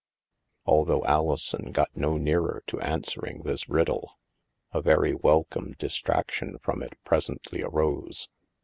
Although Alison got no nearer to answering this riddle, a very welcome distraction from it presently arose.